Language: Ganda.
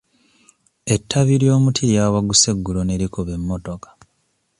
Ettabi ly'omuti lyawaguse eggulo ne likuba emmotoka.